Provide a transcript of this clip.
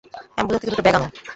Ambulance থেকে দুটো bag আনো।